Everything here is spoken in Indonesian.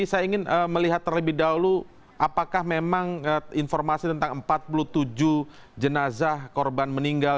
saya ingin melihat terlebih dahulu apakah memang informasi tentang empat puluh tujuh jenazah korban meninggal